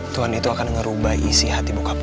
tuhan itu akan ngerubah isi hati bokap lo